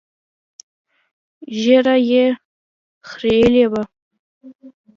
ږيره يې خرييلې وه.